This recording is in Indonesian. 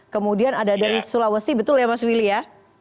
kemudian ada dari sulawesi betul ya mas willy ya